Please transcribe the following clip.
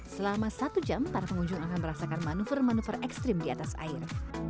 selama satu jam para pengunjung akan merasakan manuver manuver ekstrim di atas air